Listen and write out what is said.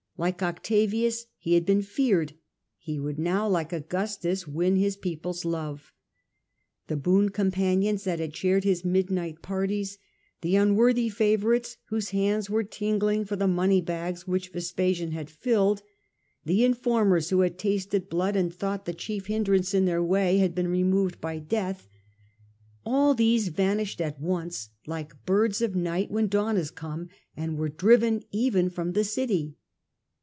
Like Octavius he had been death. feared — he would now like Augustus win his people's love. The boon companions who had shared his midnight parties, the unworthy favourites whose hands were tingling for the money bags which Vespasian had filled, the informers who had tasted blood and thought A.D. 79 8 1. Titus, 159 the chief hindrance in their way had been removed by death — all these vanished at once like birds of night when dawn is come, and were driven even from the city.